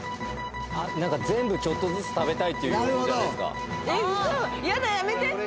何か全部ちょっとずつ食べたいっていう要望じゃないですか？